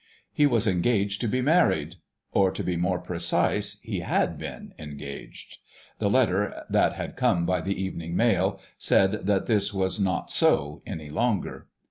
He was engaged to be married: or to be more precise, he had been engaged. The letter that had come by the evening mail said that this was not so any longer.